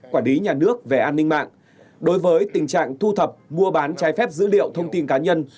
quản lý nhà nước về an ninh mạng đối với tình trạng thu thập mua bán trái phép dữ liệu thông tin cá nhân